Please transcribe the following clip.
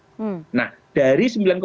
mereka tidak memilih pkk